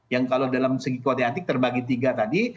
yang kalau dalam segi kode etik terbagi tiga tadi